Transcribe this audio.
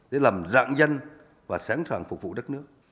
để làm rạng danh và sẵn sàng phục vụ đất nước